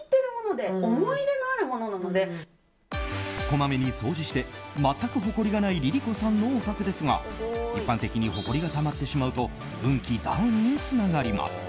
こまめに掃除して全くほこりがないＬｉＬｉＣｏさんのお宅ですが一般的にほこりがたまってしまうと運気ダウンにつながります。